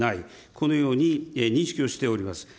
このように認識をしております。